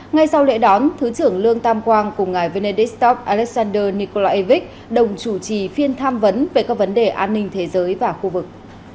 ngay sau lễ đón thứ trưởng lương tam quang cùng ngài venedistop alexander nikola evic đồng chủ trì phiên tham vấn về các vấn đề an ninh thế giới và khu vực